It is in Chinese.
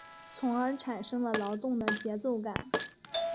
从而产生了劳动的节奏感。